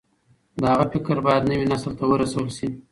د هغه فکر بايد نوي نسل ته ورسول شي.